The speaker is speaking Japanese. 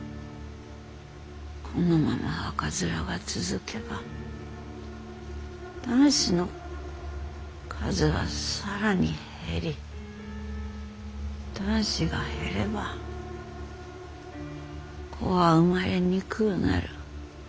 このまま赤面が続けば男子の数が更に減り男子が減れば子は生まれにくうなる。